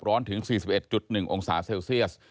ร้อนถึงสี่สิบเอ็ดจุดหนึ่งองศาเซลเซียส